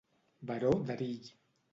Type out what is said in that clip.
Baró d'Erill.